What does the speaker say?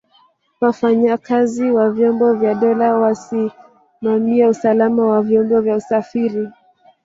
wafanyakazi wa vyombo vya dola wasimamie usalama wa vyombo vya usafiri